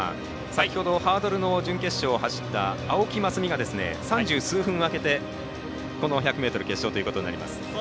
先ほどハードルの準決勝を走った青木益未が３３数分を空けてこの１００ｍ決勝となります。